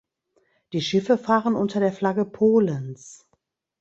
Die Schiffe fahren unter der Flagge Polens.